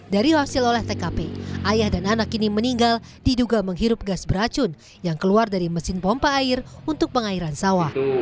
dari hasil olah tkp ayah dan anak ini meninggal diduga menghirup gas beracun yang keluar dari mesin pompa air untuk pengairan sawah